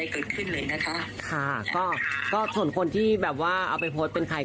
ค่ะก็ส่วนคนที่แบบว่าเอาไปโพสต์เป็นใคร